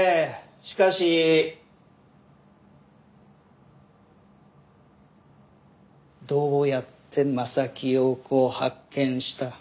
しかしどうやって柾庸子を発見した？